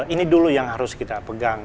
ini dulu yang harus kita pegang